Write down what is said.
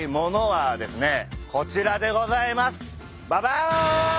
こちらでございます。